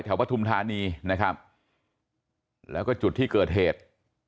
ปฐุมธานีนะครับแล้วก็จุดที่เกิดเหตุ